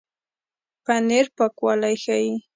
پنېر پاکوالی ښيي.